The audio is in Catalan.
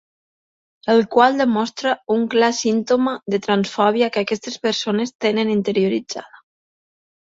El qual demostra un clar símptoma de transfòbia que aquestes persones tenen interioritzada.